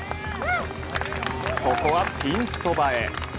ここはピンそばへ。